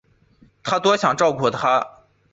她想多照顾她